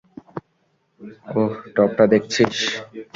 ওই টব টা দেখছিস?